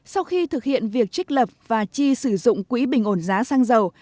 sau khi thực hiện việc trích lập và chi sử dụng quỹ bình ổn giá xăng dầu